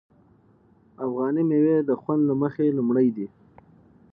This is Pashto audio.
افغاني میوې د خوند له مخې لومړی دي.